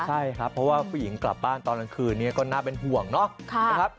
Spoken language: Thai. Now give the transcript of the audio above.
ใช่ครับเพราะว่าผู้หญิงกลับบ้านตอนกลางคืนนี้ก็น่าเป็นห่วงเนาะนะครับ